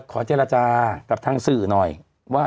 กรมป้องกันแล้วก็บรรเทาสาธารณภัยนะคะ